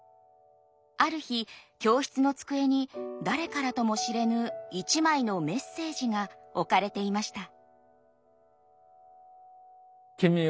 ある日教室の机に誰からとも知れぬ一枚のメッセージが置かれていました。